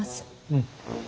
うん。